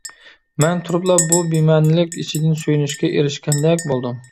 مەن تۇرۇپلا بۇ بىمەنىلىك ئىچىدىن سۆيۈنۈشكە ئېرىشكەندەك بولدۇم.